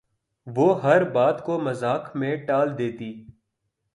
وہ ہر بات کو مذاق میں ٹال دیتی